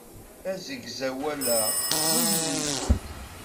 Asegzawal-a d ummid.